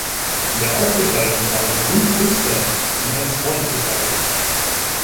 An der Ausgestaltung waren berühmte Künstler wie Hans Mont beteiligt.